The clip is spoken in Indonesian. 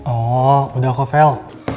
oh udah kok vel